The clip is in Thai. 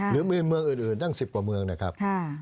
หรือมีเมืองอื่นตั้ง๑๐กว่าเมืองนะครับ